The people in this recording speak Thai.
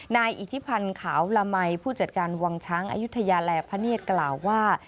อิทธิพันธ์ขาวละมัยผู้จัดการวังช้างอายุทยาแลพะเนียดกล่าวว่า